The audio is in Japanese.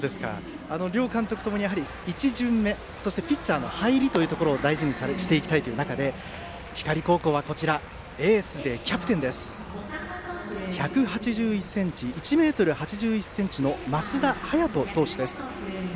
両監督ともに１巡目そしてピッチャーの入りを大事にしていきたいという中で光高校はエースでキャプテン、１８１ｃｍ升田早人投手です。